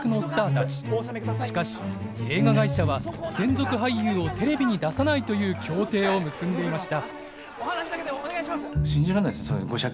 しかし映画会社は専属俳優をテレビに出さないという協定を結んでいました。